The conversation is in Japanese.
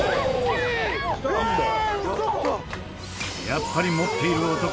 やっぱり持っている男